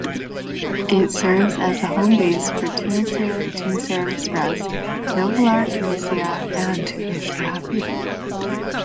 It serves as the home base for Tunisair, Tunisair Express, Nouvelair Tunisia, and Tunisavia.